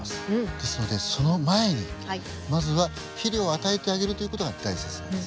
ですのでその前にまずは肥料を与えてあげるという事が大切なんです。